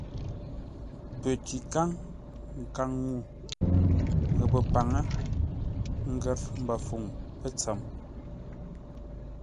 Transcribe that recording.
Pətíkáŋ, nkaŋ-ŋuu, ghəpə́ paŋə, ngər mbəfuŋ pətsəm.